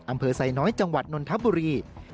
อำเภอไซน้อยจังหวัดนนทบุรี